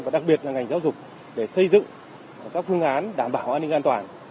và đặc biệt là ngành giáo dục để xây dựng các phương án đảm bảo an ninh an toàn